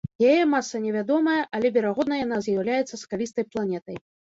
Яе маса невядомая, але, верагодна, яна з'яўляецца скалістай планетай.